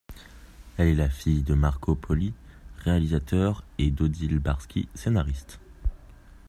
Elle est la fille de Marco Pauly, réalisateur, et d'Odile Barski, scénariste.